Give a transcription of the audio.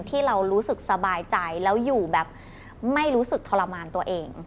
ที่เรารู้สึกสบายใจแล้วอยู่แบบไม่รู้สึกทรมานตัวเอง